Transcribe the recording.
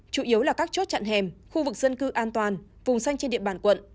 chủ yếu là các chốt chặn hẻm khu vực dân cư an toàn vùng xanh trên điện bản quận